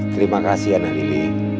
terima kasih anak lili